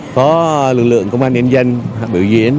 có lực lượng công an nhân dân biểu diễn